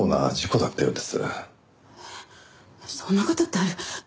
えっそんな事ってある？